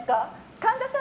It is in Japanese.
神田さん